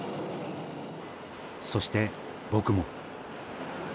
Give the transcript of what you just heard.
そして僕も。